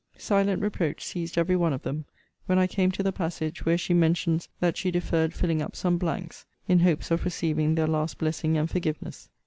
Silent reproach seized every one of them when I came to the passage where she mentions that she deferred filling up some blanks, in hopes of receiving their last blessing and forgiveness.